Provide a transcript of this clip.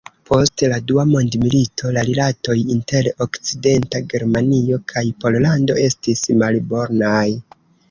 Post la dua mondmilito la rilatoj inter Okcidenta Germanio kaj Pollando estis malbonaj.